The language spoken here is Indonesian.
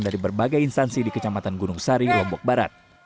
dari berbagai instansi di kecamatan gunung sari lombok barat